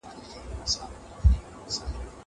زه به سبا موبایل کار کړم.